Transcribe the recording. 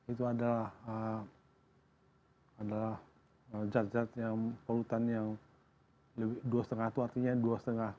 itu adalah zat zat yang pollutannya dua lima itu artinya apa